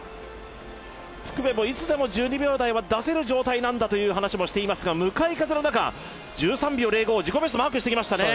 福部もいつでも１２秒台は出せるという話をしていましたが向かい風の中、１３秒０５、自己ベストマークしてきましたね。